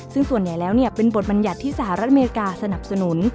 ซึ่งส่วนใหญ่แล้วเป็นบทบัญญัติที่สหรัฐอเมริกาสนับสนุน